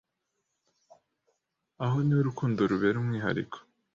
aho niho urukundo rubera umwihariko